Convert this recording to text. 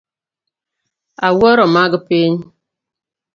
Awuoro mag piny